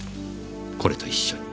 これと一緒に。